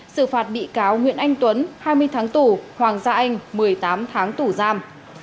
xử phạt bị cáo nguyễn anh tuấn hai mươi tháng tù hoàng gia anh một mươi tám tháng tù giam